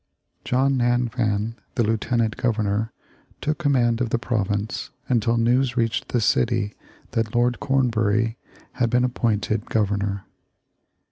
John Nanfan, the Lieutenant Governor, took command of the province until news reached the city that Lord Cornbury had been appointed Governor.